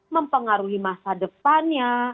mempengaruhi masa depannya